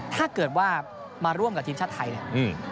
ถ้าเกิดว่ามาร่วมกับทีมชาติไทยเนี่ย